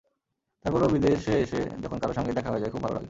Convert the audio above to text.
তারপরও বিদেশে এসে যখন কারও সঙ্গে দেখা হয়ে যায়, খুব ভালো লাগে।